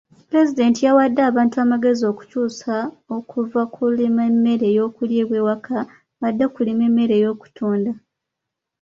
Pulezidenti yawadde abantu amagezi okukyusa okuva mu kulima emmere y'okuliibwa ewaka badde mu kulima emmere y'okutunda.